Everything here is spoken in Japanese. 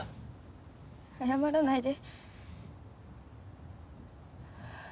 謝らないで。